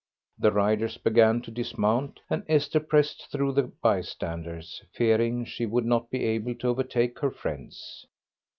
The riders began to dismount and Esther pressed through the bystanders, fearing she would not be able to overtake her friends.